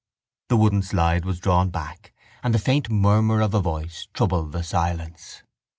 The wooden slide was drawn back and the faint murmur of a voice troubled the silence.